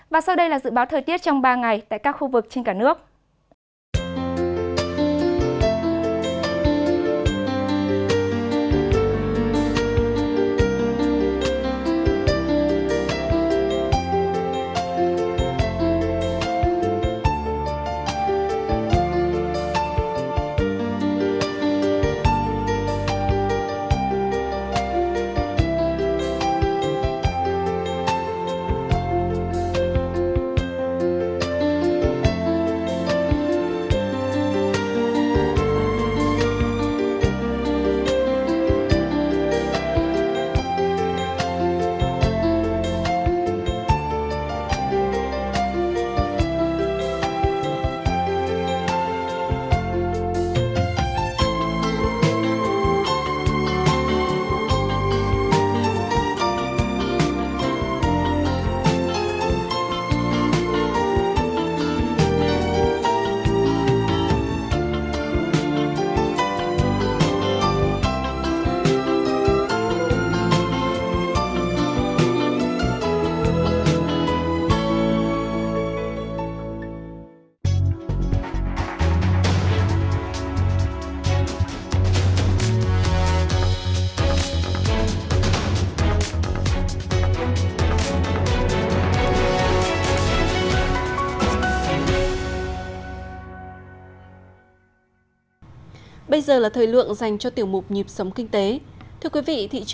và sau đây là dự báo thời tiết trong ba ngày tại các khu vực trên cả nước